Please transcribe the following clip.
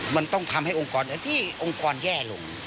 มันต้องทำให้องค์กรที่องค์กรแย่ลง